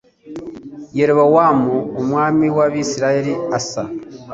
Yerobowamu umwami w Abisirayeli Asa